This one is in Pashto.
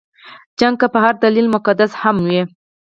جګړه که په هر دلیل مقدسه هم وي.